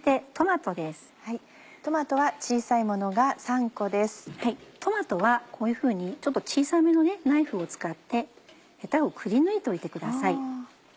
トマトはこういうふうにちょっと小さめのナイフを使ってヘタをくりぬいといてください。